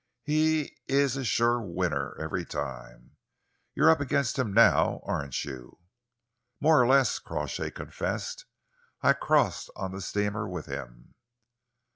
He is a sure winner every time. You're up against him now, aren't you?" "More or less," Crawshay confessed. "I crossed on the steamer with him."